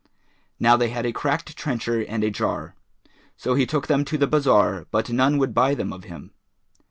Now they had a cracked trencher[FN#415] and a jar; so he took them to the bazar but none would buy them of him.